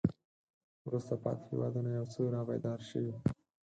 وروسته پاتې هېوادونه یو څه را بیدار شوي.